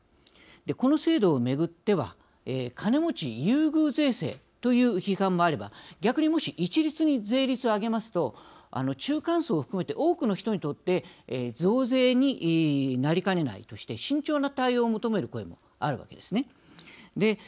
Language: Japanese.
この制度をめぐっては金持ち優遇税制という批判もあれば逆にもし一律に税率を上げますと中間層を含めて多くの人たちにとって増税になりかねないとして慎重な対応を求める声もあるわけです。